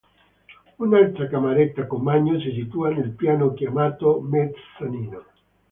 Un'altra cameretta con bagno si situa nel piano chiamato “mezzanino”.